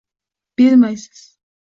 bermaysiz